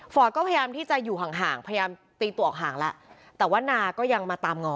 ก็พยายามที่จะอยู่ห่างห่างพยายามตีตัวออกห่างแล้วแต่ว่านาก็ยังมาตามงอ